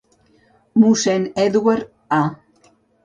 Mossèn Edward A.